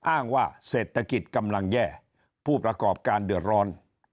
อ้างว่าเศรษฐกิจกำลังแย่ผู้ประกอบการเดือดร้อน